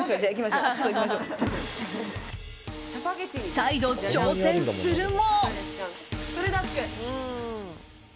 再度挑戦するも。